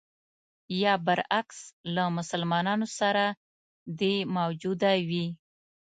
یا برعکس له مسلمانانو سره دې موجوده وي.